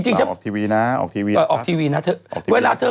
คุยกับใครคุยยังไง